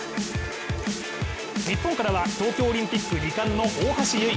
日本からは東京オリンピック２冠の大橋悠依。